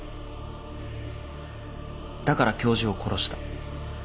だから教授を殺した。